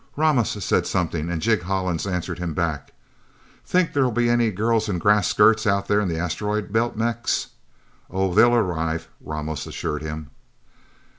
Ramos said something, and Jig Hollins answered him back. "Think there'll be any girls in grass skirts out in the Asteroid Belt, Mex?" "Oh, they'll arrive," Ramos assured him.